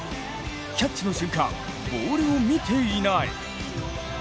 キャッチの瞬間、ボールを見ていない。